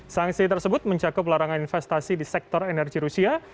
sanksi tersebut mencakup larangan investasi di sektor energi rusia